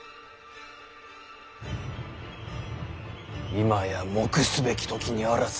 今や黙すべき時にあらず。